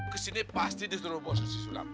kesini pasti disuruh bosnya si sulam